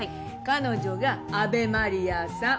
彼女が阿部真理亜さん。